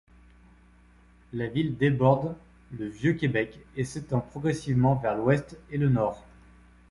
La ville déborde le Vieux-Québec et s'étend progressivement vers l'ouest et le nord.